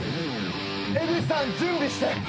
江口さん準備して。